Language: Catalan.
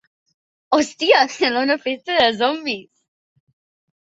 Hòstia, sembla una festa de zombis.